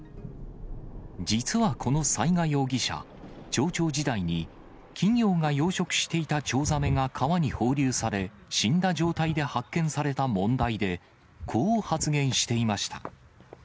実はこの雑賀容疑者、町長時代に、企業が養殖していたチョウザメが川に放流され、死んだ状態で発見された問題で、こう発言していました。